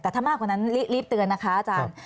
แต่ถ้ามากกว่านั้นรีบเตือนนะคะอาจารย์